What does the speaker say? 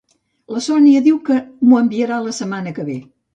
La Sònia diu que m'ho enviarà la setmana que ve